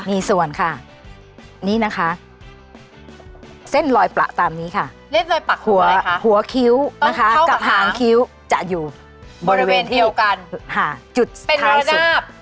นี่ส่วนค่ะนี่นะคะเส้นลอยปละตามนี้ค่ะหัวคิ้วนะคะกระทางคิ้วจะอยู่บริเวณที่จุดท้ายสุด